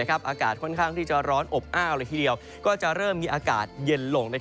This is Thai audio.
อากาศค่อนข้างที่จะร้อนอบอ้าวเลยทีเดียวก็จะเริ่มมีอากาศเย็นลง